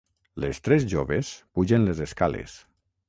Les tres joves pugen les escales.